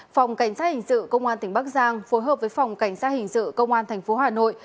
phòng cảnh sát hình sự công an tỉnh bắc giang phối hợp với phòng cảnh sát hình sự công an tp hà nội